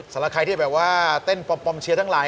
สำหรับใครที่แบบว่าเต้นปลอมเชียร์ทั้งหลาย